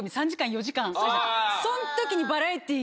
その時に。